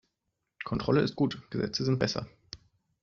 Kontrolle ist gut, Gesetze sind besser!